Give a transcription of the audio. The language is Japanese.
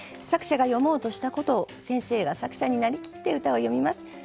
作者が詠もうとしたことを先生が作者になりきって歌を詠みます。